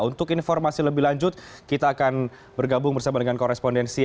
untuk informasi lebih lanjut kita akan bergabung bersama dengan korespondensi